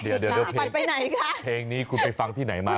เดี๋ยวเพลงนี้คุณไปฟังที่ไหนมาค่ะ